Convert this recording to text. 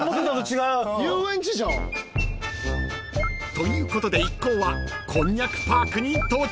［ということで一行はこんにゃくパークに到着］